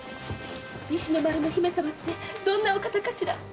西の丸の姫様ってどんなお方かしら？